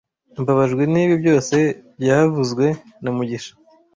Mbabajwe nibi byose byavuzwe na mugisha